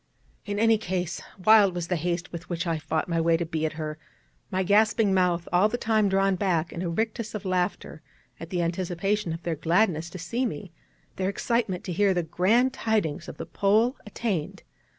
In any case, wild was the haste with which I fought my way to be at her, my gasping mouth all the time drawn back in a rictus of laughter at the anticipation of their gladness to see me, their excitement to hear the grand tidings of the Pole attained.